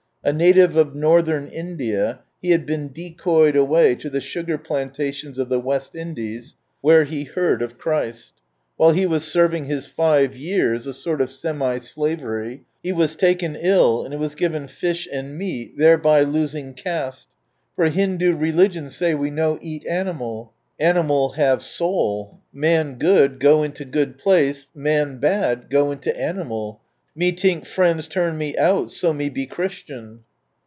A native of Northern India, he had been decoyed away to the sugar plan tations of the West Indies, where he heard of Christ. While he was serving his five 's (a sort of semi slavery), he was taken ill, and was given fish and meat, thereby ing caste, for "Hindoo religion say we no eat animal — animal have soul — man good, go into good place — man bad, go into animal — me link, friends out, so me be Christian